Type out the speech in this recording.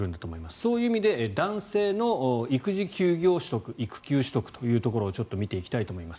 そういう意味で男性の育児休業取得育休取得というところをちょっと見ていきたいと思います。